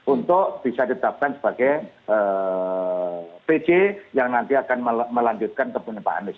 untuk bisa ditetapkan sebagai pj yang nanti akan melanjutkan ke pnp anis